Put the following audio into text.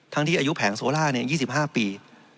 ทั้งที่อายุแผงโซล่า๒๕ปี